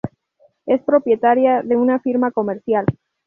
Es propietaria de una firma comercial.